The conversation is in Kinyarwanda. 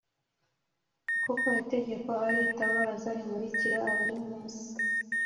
Kuko itegeko ari itabaza rimurikira abari mu isi